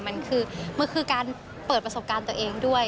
มันคือมันคือการเปิดประสบการณ์ตัวเองด้วย